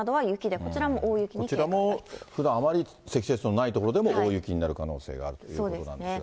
こちらもふだん、あまり積雪のない所でも大雪になる可能性があるということなんでそうですね。